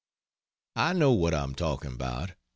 "I know what I'm talking about!